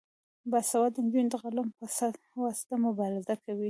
باسواده نجونې د قلم په واسطه مبارزه کوي.